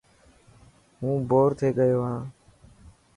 هون بور ٿي گيو هان.